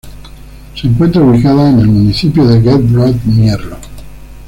Se encuentra ubicada en el municipio de Geldrop-Mierlo.